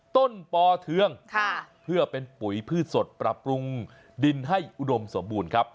ปอเทืองเพื่อเป็นปุ๋ยพืชสดปรับปรุงดินให้อุดมสมบูรณ์ครับ